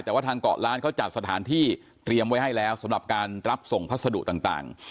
แต่ว่าทางเกาะล้านเขาจัดสถานที่เตรียมไว้ให้แล้วสำหรับการรับส่งพัสดุต่าง